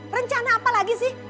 rencana apa lagi sih